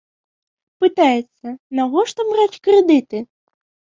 Пытаецца, навошта браць крэдыты?